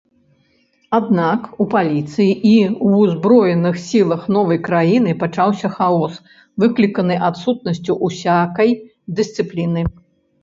Аднак у паліцыі і ўзброеных сілах новай краіны пачаўся хаос, выкліканы адсутнасцю усякай дысцыпліны.